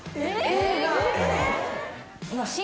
映画。